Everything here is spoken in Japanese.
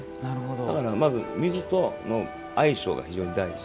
だから、水との相性が非常に大事。